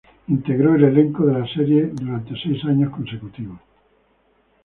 Integró el elenco de la serie por seis años consecutivos.